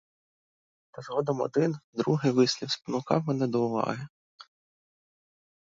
Та згодом один, другий вислів спонукав мене до уваги.